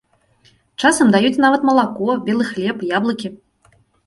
Часам даюць нават малако, белы хлеб, яблыкі.